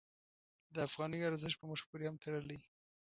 د افغانیو ارزښت په موږ پورې هم تړلی.